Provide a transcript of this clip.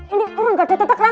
ini aku nggak ada tetep rame hah